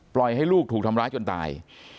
ให้ลูกถูกทำร้ายจนตาย